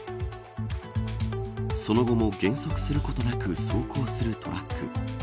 その後も減速することなく走行するトラック。